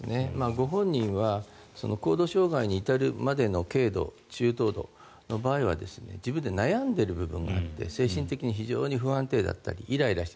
ご本人は高度障害に至るまでの軽度、中等度の場合は自分で悩んでいる部分があって精神的に非常に不安定だったりイライラして。